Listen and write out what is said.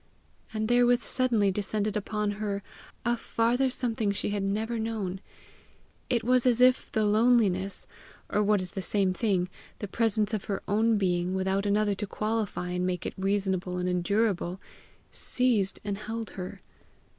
And therewith suddenly descended upon her a farther something she had never known; it was as if the loneliness, or what is the same thing, the presence of her own being without another to qualify and make it reasonable and endurable, seized and held her.